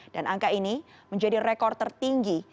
dan angka ini menjadi rekor tertinggi